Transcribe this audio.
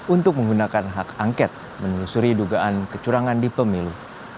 untuk menggunakan hak angket menyusuri dugaan kecurangan di pemilu